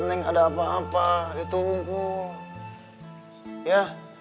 neng ada apa apa di tengkunya